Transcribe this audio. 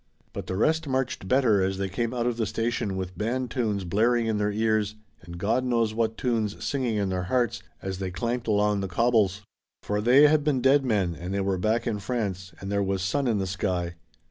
But the rest marched better as they came out of the station with band tunes blaring in their ears and God knows what tunes singing in their hearts as they clanked along the cobbles. For they had been dead men and they were back in France and there was sun in the sky.